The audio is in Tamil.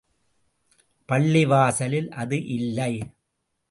பள்ளிவாசலில் அது இல்லை.